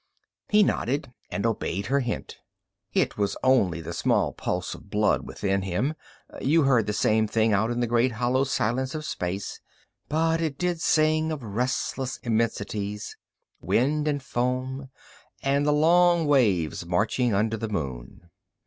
He nodded and obeyed her hint. It was only the small pulse of blood within him you heard the same thing out in the great hollow silence of space but it did sing of restless immensities, wind and foam, and the long waves marching under the moon.